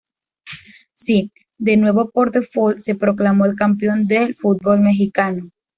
Sí, de nuevo por default se proclamó al campeón del fútbol mexicano.